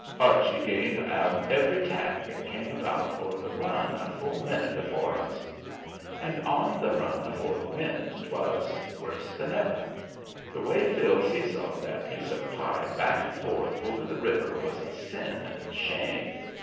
Archie gained on every tack and come about for the run a full minute afore us. And on that run afore the wind 'twas worse than ever. The way Phil see sawed that piece of pie back and forth over the river was a sin and shame.